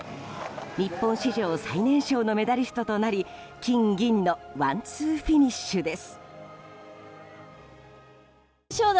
日本史上最年少のメダリストとなり金銀のワンツーフィニッシュです。